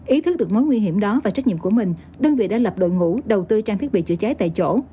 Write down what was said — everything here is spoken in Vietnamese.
ý thức được mối nguy hiểm đó và trách nhiệm của mình đơn vị đã lập đội ngũ đầu tư trang thiết bị chữa cháy tại chỗ